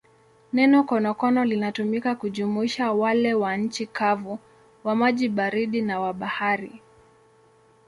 Neno konokono linatumika kujumuisha wale wa nchi kavu, wa maji baridi na wa bahari.